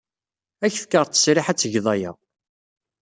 Ad ak-fkeɣ ttesriḥ ad tgeḍ aya.